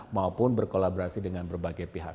maupun berkolaborasi dengan berbagai pihak